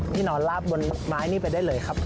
นอนลาบบนไม้นี่ไปได้เลยครับ